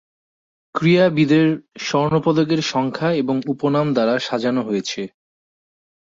ক্রীড়াবিদের স্বর্ণ পদকের সংখ্যা এবং উপনাম দ্বারা সাজানো হয়েছে।